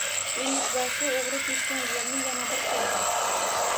Ellikboshi o‘g‘ri teshgan yerni yana bir ko‘rdi